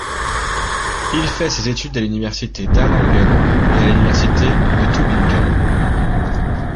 Il fait ses études à l'Université d'Erlangen et à l'Université de Tübingen.